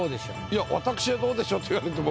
いや私は「どうでしょう？」と言われても